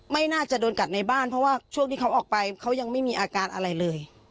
ไม่น่าจะโดนกัดในบ้านเพราะว่าช่วงที่เขาออกไปเขายังไม่มีอาการอะไรเลย